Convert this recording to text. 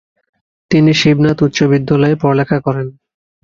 তিনি শিবনাথ উচ্চ বিদ্যালয়ে লেখাপড়া করেন।